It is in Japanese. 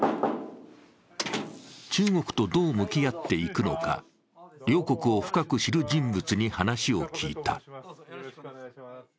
中国とどう向き合っていくのか、両国を深く知る人物に話を聞いた。